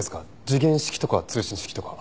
時限式とか通信式とか。